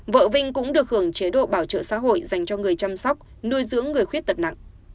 vợ vinh cũng được hưởng chế độ bảo trợ xã hội dành cho người chăm sóc nuôi dưỡng người khuyết tật nặng